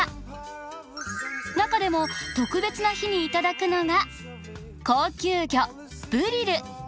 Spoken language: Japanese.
中でも特別な日にいただくのが高級魚ブリル。